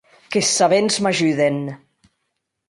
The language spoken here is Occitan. Qu’es sabents m’ajuden.